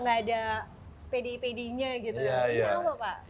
nggak ada pdi pdi nya gitu